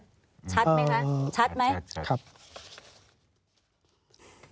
ชัดไหมคะชัดไหมครับชัด